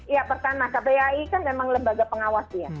ya pertama kpai kan memang lembaga pengawas ya